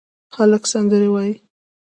هلک سندرې وايي